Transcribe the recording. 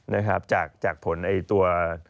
นะครับจากผลตัว